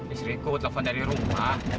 istriku telepon dari rumah